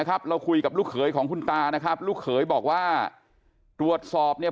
ย้ายที่บอกว่าตรวจสอบเนี่ย